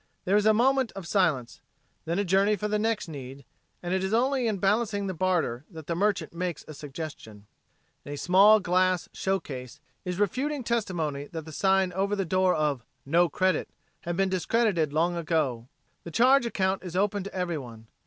There is a moment of silence, then a journey for the next need, and it is only in balancing the barter that the merchant makes a suggestion. In a small glass show case is refuting testimony that the sign over the door of NO CREDIT had been discredited long ago. The charge account is open to everyone.